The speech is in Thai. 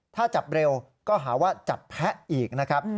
ถ้าจับเร็วก็หาว่าจับแพะอีกนะครับ